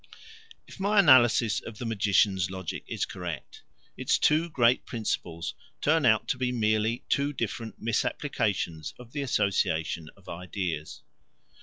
If my analysis of the magician's logic is correct, its two great principles turn out to be merely two different misapplications of the association of ideas.